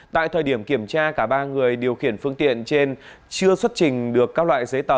tại thời điểm kiểm tra cả ba người điều khiển phương tiện trên chưa xuất trình được các loại giấy tờ